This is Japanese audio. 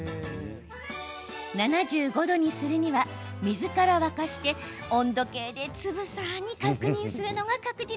７５度にするには水から沸かして温度計でつぶさに確認するのが確実。